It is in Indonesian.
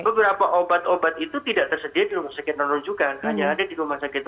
beberapa obat obat itu tidak tersedia di rumah sakit non rujukan hanya ada di rumah sakit